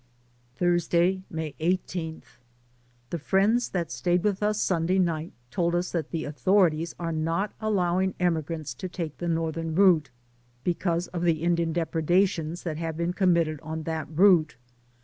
Thursday, May i8. The friends that stayed with us Sunday night told us that the authorities are not al lowing emigrants to take the northern route, because of the Indian depredations that have been committed on that route.